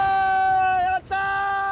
やった！